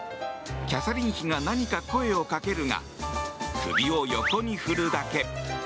キャサリン妃が何か声をかけるが首を横に振るだけ。